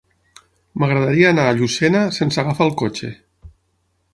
M'agradaria anar a Llucena sense agafar el cotxe.